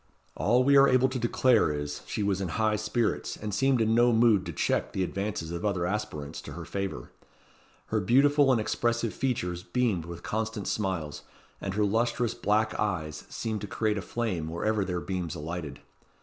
All we are able to declare is, she was in high spirits, and seemed in no mood to check the advances of other aspirants to her favour. Her beautiful and expressive features beamed with constant smiles, and her lustrous black eyes seemed to create a flame wherever their beams alighted.